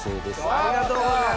ありがとうございます。